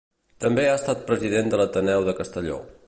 També ha estat president de l'Ateneu de Castelló.